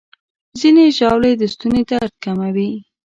ځینې ژاولې د ستوني درد کموي.